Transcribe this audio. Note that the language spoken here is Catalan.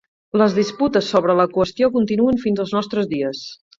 Les disputes sobre la qüestió continuen fins als nostres dies.